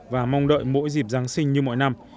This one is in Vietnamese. và mong đợi mỗi dịp giáng sinh như mọi năm